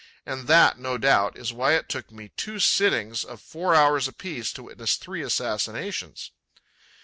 And that, no doubt, is why it took me two sittings of four hours apiece to witness three assassinations.